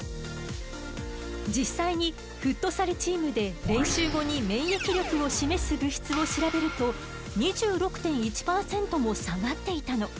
実際にフットサルチームで練習後に免疫力を示す物質を調べると２６．１％も下がっていたの。